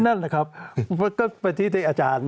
นั่นแหละครับก็ไปที่ที่อาจารย์